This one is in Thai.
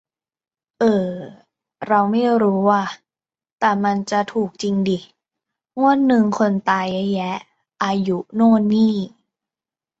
เอ่อเราไม่รู้ว่ะ แต่มันจะถูกจิงดิ งวดนึงคนตายเยอะแยะ อายุโน่นนี่